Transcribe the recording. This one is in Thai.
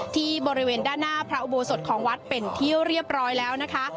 ที่บริเวณด้านหน้าพระอุโบสถของวัดเป็นที่เรียบร้อยแล้วนะคะ